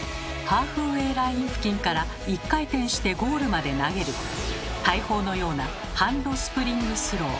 ハーフウェーライン付近から１回転してゴールまで投げる大砲のようなハンドスプリングスロー。